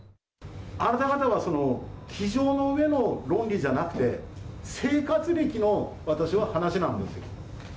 あなた方は机上の上の論理じゃなくて、生活歴の私は話なんですよ。